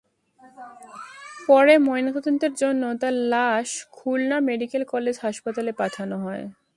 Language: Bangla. পরে ময়নাতদন্তের জন্য তাঁর লাশ খুলনা মেডিকেল কলেজ হাসপাতালে পাঠানো হয়।